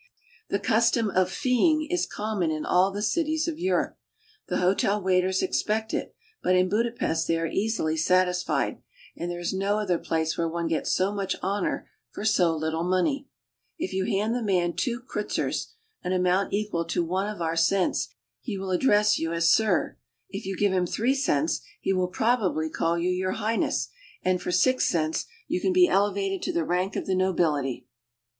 The custom of feeing is common in all the cities of Europe. 298 AUSTRIA HUNGARY. The hotel waiters expect it; but in Budapest they are easily satisfied, and there is no other place where one gets so much honor for so little money. If you hand the man two kreutzers, an amount equal to one of our cents, he Royal Palace, Budapest. will address you as " Sir." If you give him three cents he will probably call you "your Highness," and for six cents you can be elevated to the rank of the nobility.